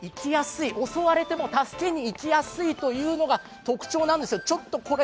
襲われても助けに行きやすいというのが特徴なんですよ。